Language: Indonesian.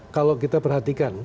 kalau kita perhatikan